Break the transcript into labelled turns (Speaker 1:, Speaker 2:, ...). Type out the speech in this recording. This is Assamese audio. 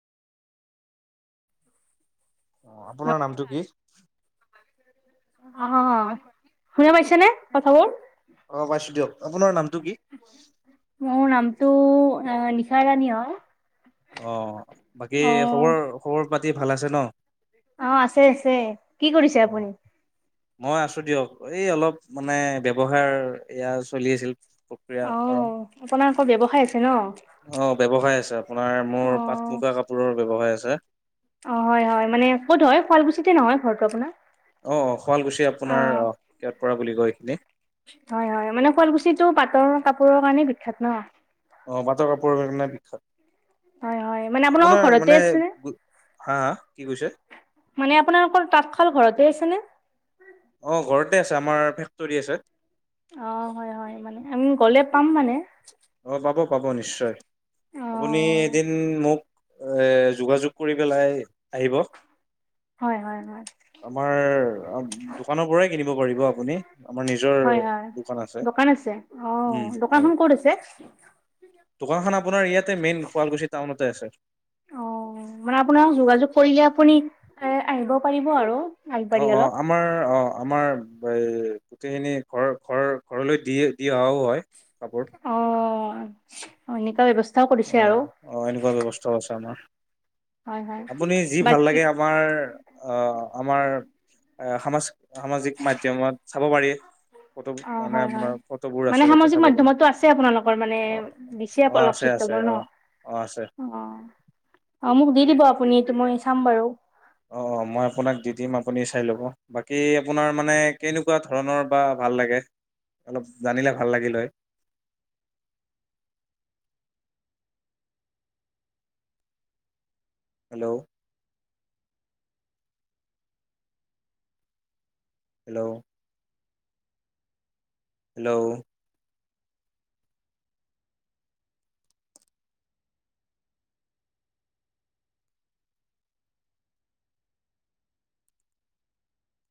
Speaker 1: অ' আপোনাৰ নামটো কি?
Speaker 2: অ', শুনি পাইছেনে কথাবোৰ?
Speaker 1: অ পাইছো দিয়ক আপোনাৰ নামটো কি।
Speaker 2: মোৰ নামটো নিচা ৰাণী হয়।
Speaker 1: অ', বাকী
Speaker 2: অ',
Speaker 1: খবৰ খবৰ পাতি ভাল আছে ন?
Speaker 2: অ আছে আছে কি কৰিছে
Speaker 1: অ'
Speaker 2: আপুনি।
Speaker 1: মই আছো দিয়ক এই অলপ মানে ব্যৱসায় এয়া চলি আছিল। প্ৰক্ৰিয়াকৰণ।
Speaker 2: তোৰ ব্যৱসায় আছে ন।
Speaker 1: অ ব্যৱসায় আছে আপোনাৰ মোৰ পাট
Speaker 2: অ',
Speaker 1: মুগা কাপোৰৰ ব্যৱসায় আছে।
Speaker 2: অ হয়, হয় মানে ক'ত হয় শুৱালকুছিতে নহয় ঘৰটো আপোনাৰ।
Speaker 1: অ, অ, শুৱালকুছি আপোনাৰ
Speaker 2: অ',
Speaker 1: কেয়ট পৰা বুলি কয় এইখিনি।
Speaker 2: হয় হয় মানে শুৱালকুছিটো পাটৰ কাপোৰৰ কাৰণে বিখ্যাত ন?
Speaker 1: অ বাটৰ কাপোৰ কাৰণে
Speaker 2: হয় হয়, মানে
Speaker 1: বিখ্যাত
Speaker 2: আপোনালোকৰ
Speaker 1: আপোনাৰ
Speaker 2: ঘৰতে
Speaker 1: মানে
Speaker 2: আছেনে?
Speaker 1: হা কি কৈছে?
Speaker 2: মানে আপোনালোকৰ তাঁতশাল ঘৰতে আছে নে?
Speaker 1: অ' ঘৰতে আছে আমাৰ ফেক্টৰী আছে।
Speaker 2: অ', হয় হয় মানে আমি গ'লে পাম মানে।
Speaker 1: অ পাব পাব নিশ্চয় আপুনি
Speaker 2: অ',
Speaker 1: এদিন মোক এ, যোগাযোগ কৰি পেলাই আহিব।
Speaker 2: হয় হয় হয়।
Speaker 1: আমাৰ দোকানৰ পৰাই কিনিব পাৰিব আপুনি আমাৰ নিজৰ
Speaker 2: হয় হয়
Speaker 1: দোকান আছে।
Speaker 2: অ
Speaker 1: উম হয়
Speaker 2: দোকানখন ক'ত আছে
Speaker 1: দোকানখন আপোনাৰ ইয়াতে মেইন শুৱালকুছি টাউনতে আছে
Speaker 2: অ', মানে আপোনাৰ যোগাযোগ কৰিলে আপুনি এ, আহিব পাৰিব আৰু। আগবাঢ়ি
Speaker 1: অ',
Speaker 2: অলপ
Speaker 1: অ', আমাৰ অ', আমাৰ বা গোটেইখিনি ঘৰ ঘৰ ঘৰলৈ দি দি অহাও হয় কাপোৰ।
Speaker 2: হয় হয় এনেকোৱাই ব্যৱস্থা
Speaker 1: অ অ এনেকুৱা ব্যৱস্থাও আছে আমাৰ
Speaker 2: হয় হয়
Speaker 1: আপুনি যি ভাল
Speaker 2: বাকী
Speaker 1: লাগে আমাৰ অ', আমাৰ সামাজ সামাজিক মাধ্যমত চাব পাৰি। ফটো
Speaker 2: অ
Speaker 1: মানে
Speaker 2: হয় হয়
Speaker 1: আপোনাৰ ফটোবোৰ
Speaker 2: মানে
Speaker 1: আছে যাতে
Speaker 2: সামাজিক
Speaker 1: চাব পাৰে
Speaker 2: মাধ্যমতো আছে আপোনালোকৰ মানে
Speaker 1: অ',
Speaker 2: দিছে
Speaker 1: অ',
Speaker 2: অলপ
Speaker 1: আছে। আছে
Speaker 2: চিত্ৰবোৰ ন
Speaker 1: অ অ আছে
Speaker 2: অ', অ', মোক দি দিব আপুনি এইটো মই চাম বাৰু।
Speaker 1: অ', মই আপোনাক দি দিম আপুনি চাই ল'ব বাকী আপোনাৰ মানে কেনেকুৱা ধৰণৰ বা ভাল লাগে অলপ জানিলে ভাল লাগিল হয়। [inaudible] Hello hello hello